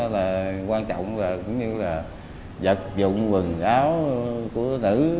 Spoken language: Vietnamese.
là mình thư giữ một số vật chính đó là quan trọng là cũng như là vật dụng quần áo của nữ